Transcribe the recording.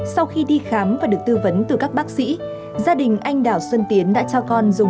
sau khi đi khám và được tư vấn từ các bác sĩ gia đình anh đào xuân tiến đã cho con dùng